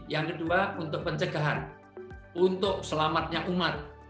yang kedua untuk pencegahan untuk selamatnya umat